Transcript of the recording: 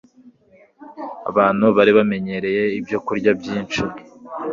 abantu bari bamenyereye ibyokurya byinshi